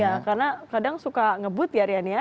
ya karena kadang suka ngebut ya rian ya